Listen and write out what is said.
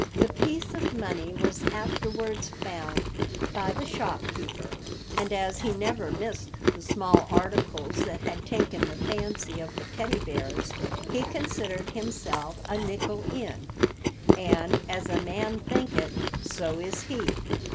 The piece of money was afterwards found by the shopkeeper, and as he never missed the small articles that had taken the fancy of the Teddy Bears, he considered himself a nickel in, and "As a man thinketh, so is he."